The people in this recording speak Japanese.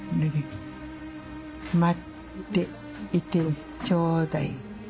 「待っていてちょうだい。